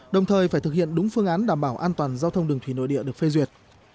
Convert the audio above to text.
đồng thời phải thực hiện đúng phương án đảm bảo an toàn giao thông đường thủy nội địa được phê duyệt